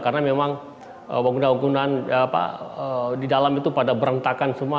karena memang wangguna wanggunaan di dalam itu pada berantakan semua